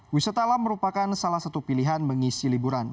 wisata alam merupakan salah satu pilihan mengisi liburan